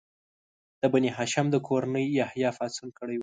د بني هاشم د کورنۍ یحیی پاڅون کړی و.